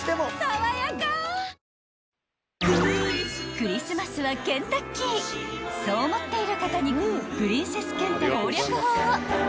［クリスマスはケンタッキーそう思っている方にプリンセスケンタ攻略法を］